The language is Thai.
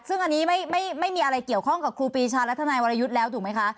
ซึ่งอันนี้ไม่มีอะไรเกี่ยวข้องกับครูปีชาและทนายวรยุทธ์แล้วถูกไหมคะ